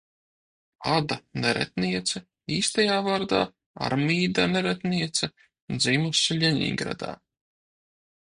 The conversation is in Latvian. Ada Neretniece, īstajā vārdā Armīda Neretniece, dzimusi Ļeņingradā.